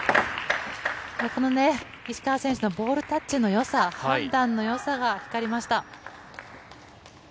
このね、石川選手のボールタッチのよさ、判断のよさが光りました。